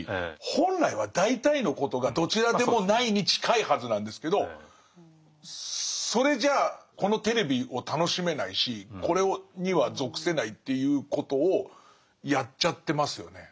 本来は大体のことが「どちらでもない」に近いはずなんですけどそれじゃこのテレビを楽しめないしこれには属せないということをやっちゃってますよね。